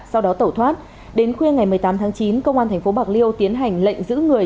sau đó tẩu thoát đến khuya ngày một mươi tám tháng chín công an tp bạc liêu tiến hành lệnh giữ người